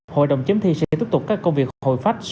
hội đồng chấm thi sẽ tiếp tục các công việc hồi phách